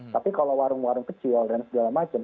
tapi kalau warung warung kecil dan segala macam